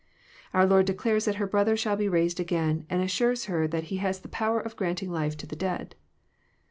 Our Lord declares that her brother shall be raised again, and assures her that He has the power of granting life to the dead.